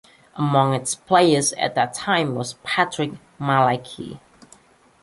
Among its players at that time was Patryk Malecki.